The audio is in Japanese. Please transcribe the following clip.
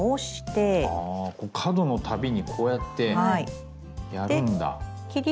あ角の度にこうやってやるんだ。